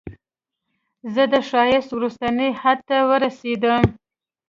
زه د ښایست وروستني حد ته ورسیدم